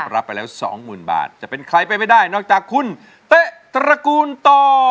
รับไปแล้วสองหมื่นบาทจะเป็นใครไปไม่ได้นอกจากคุณเต๊ะตระกูลต่อ